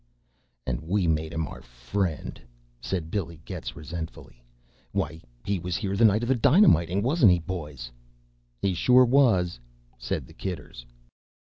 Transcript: "And we made him our friend," said Billy Getz resentfully. "Why, he was here the night of the dynamiting wasn't he, boys?" "He sure was," said the Kidders.